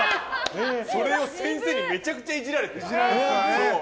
それを先生にめちゃくちゃイジられて。